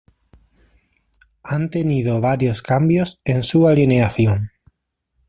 Han tenido varios cambios en su alineación.